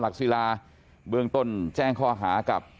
ครับ